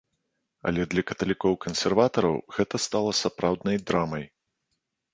Але для каталікоў-кансерватараў гэта стала сапраўднай драмай.